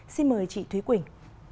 xin mời chị thúy quỳnh